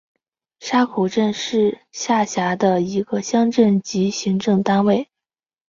沙口镇是下辖的一个乡镇级行政单位。